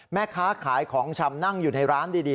แม่ค้าขายของชำนั่งอยู่ในร้านดี